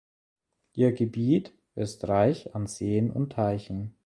Ihr Gebiet ist reich an Seen und Teichen.